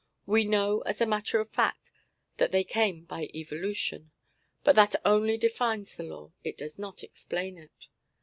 We know as a matter of fact that they came by evolution, but that only defines the law. It does not explain it.